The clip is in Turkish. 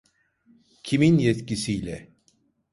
Kimin yetkisiyle?